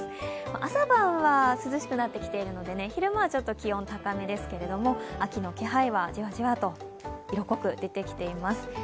朝晩は涼しくなってきているので昼間は気温、高めですけど秋の気配はじわじわと色濃く出てきています。